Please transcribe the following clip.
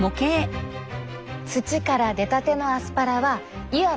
土から出たてのアスパラはいわば幼い子供。